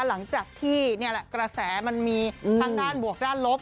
หลังจากที่นี่แหละกระแสมันมีทั้งด้านบวกด้านลบ